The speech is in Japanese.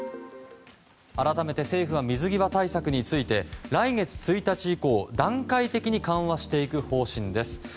改めて政府は水際対策について来月１日以降、段階的に緩和していく方針です。